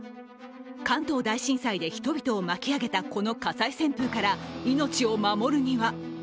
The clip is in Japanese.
関東大震災で人々を巻き上げたこの火災旋風から命を守るには。